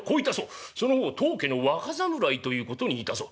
その方当家の若侍ということにいたそう。